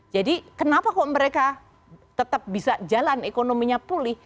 jadi kenapa kok mereka tetap bisa jalan ekonominya pulih